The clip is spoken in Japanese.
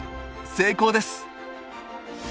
成功です！